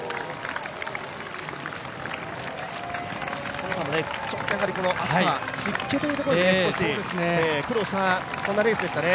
其田もこの暑さ、湿気というところに少し苦労したレースでしたね。